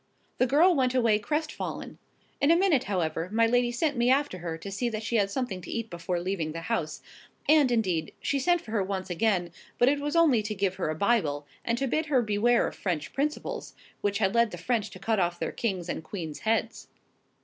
The girl went away crestfallen: in a minute, however, my lady sent me after her to see that she had something to eat before leaving the house; and, indeed, she sent for her once again, but it was only to give her a Bible, and to bid her beware of French principles, which had led the French to cut off their king's and queen's heads.